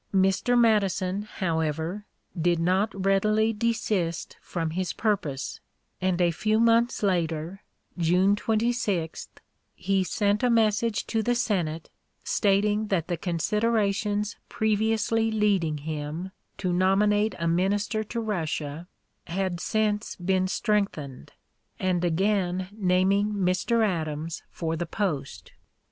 Mr. Madison, however, did not readily desist from his purpose, and a few months later, June 26, he sent a message to the Senate, stating that the considerations previously leading him to nominate a minister to Russia had since been strengthened, and again naming Mr. Adams for the post.